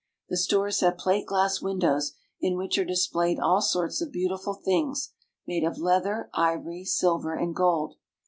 The stores have plate glass windows in which are displayed all sorts of beautiful things made of leather, ivory, silver, and gold.